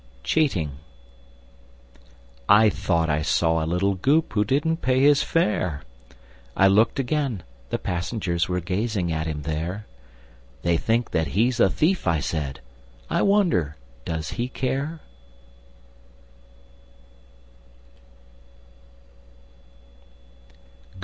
[Illustration: Cheating] CHEATING I thought I saw a little Goop Who didn't pay his fare; I looked again; the passengers Were gazing at him, there. "They think that he's a thief!" I said; "I wonder does he care?"